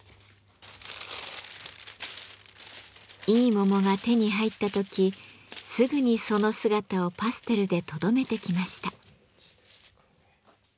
いい桃が手に入った時すぐにその姿をパステルでとどめてきました。